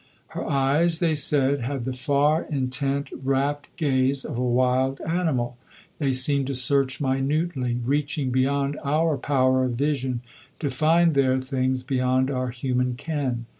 Her eyes, they said, had the far, intent, rapt gaze of a wild animal. They seemed to search minutely, reaching beyond our power of vision, to find there things beyond our human ken.